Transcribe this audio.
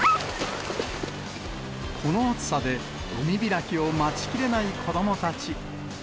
この暑さで、海開きを待ちきれない子どもたち。